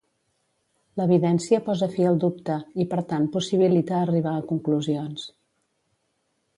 L'evidència posa fi al dubte i per tant possibilita arribar a conclusions.